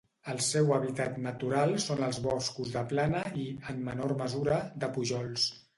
El seu hàbitat natural són els boscos de plana i, en menor mesura, de pujols.